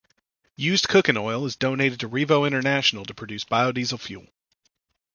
Used cooking oil is donated to Revo International to produce biodiesel fuel.